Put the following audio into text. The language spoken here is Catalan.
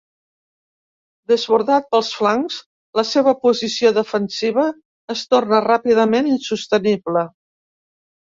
Desbordat pels flancs, la seva posició defensiva es torna ràpidament insostenible.